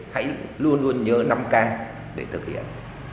hãy luôn luôn nhớ năm k để thực hiện